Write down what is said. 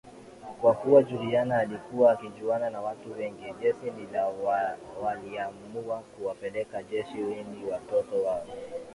Kwa kuwa Juliana alikuwa akijuana na watu wengi jesiniwaliamua kuwapeleka jeshini Watoto wao